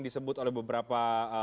disebut oleh beberapa